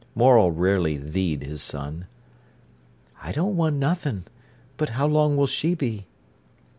Morel rarely "thee'd" his son. "I don't want nothing. But how long will she be?"